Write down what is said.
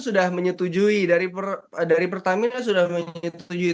sudah menyetujui dari pertamina sudah menyetujui